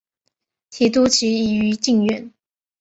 提督旗移于靖远。